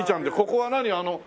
ここは何？